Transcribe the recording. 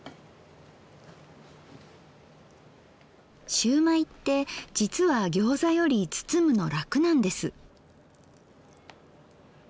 しゅうまいってじつはギョーザより包むの楽なんです。